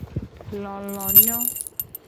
Lolo nyo.